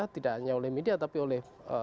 tidak hanya oleh media tapi oleh sosial media